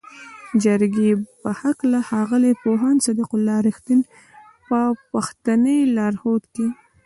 جرګې په هکله ښاغلي پوهاند صدیق الله "رښتین" په پښتني لارښود کې